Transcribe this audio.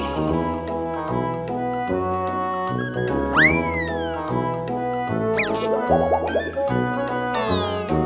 คุณปลอยครับ